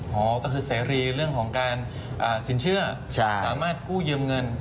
หอก็คือเสรีเรื่องของการสินเชื่อสามารถกู้ยืมเงิน